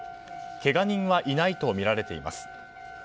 けが人はいないとみられています。